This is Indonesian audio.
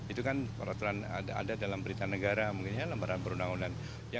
itu kan peraturan ada dalam berita negara mungkinnya lembaran perunaunan